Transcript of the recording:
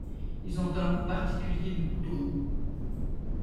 Ils ont un goût particulier de goudron.